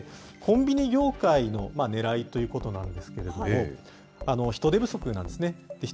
一方で、コンビニ業界のねらいということなんですけれども、人手不足なんですね。